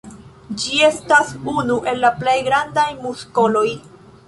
Ĝi estas unu el la plej grandaj muskoloj.